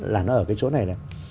là nó ở cái chỗ này